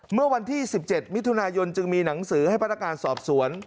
เมื่อวันที่๑๗มิถุนายนจึงมีหนังสือให้พนักงานสอบสวน